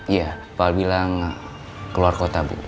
iya pa bilang keluar kota bu